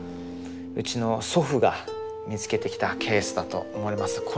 うちの祖父が見つけてきたケースだと思います。